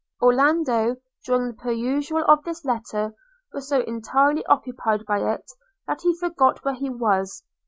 Orlando, during the perusal of this letter, was so entirely occupied by it, that he forgot where he was.